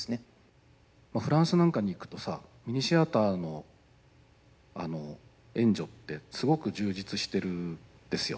フランスなんかに行くとさミニシアターの援助ってすごく充実してるんですよ。